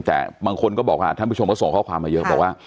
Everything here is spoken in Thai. แต่บางคนก็บอกว่าท่านผู้ชมก็ส่งข้อความมาเยอะบอกว่า